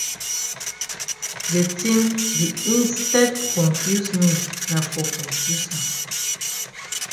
De tin di instead confuse me na for confuse am.